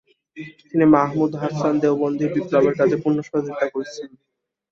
তিনি মাহমুদ হাসান দেওবন্দির বিপ্লবের কাজে পূর্ণ সহযোগিতা করেছেন।